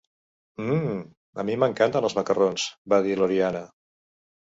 Mmm, a mi m'encanten, els macarrons! —va dir l'Oriana.